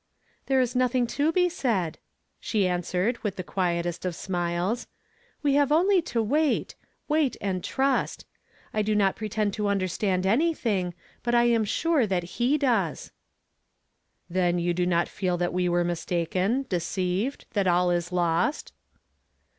'^ "There is nothing to be said," she answered with the quietest of smiles ;" we have only to wait— wait and trust. I do not pretend to under stand anything, but I am sure tliat He does." "Then you do not feel that we were mistaken, deceived, that all is lost?"